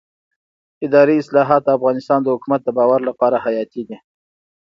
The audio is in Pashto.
اداري اصلاحات د افغانستان د حکومت د باور لپاره حیاتي دي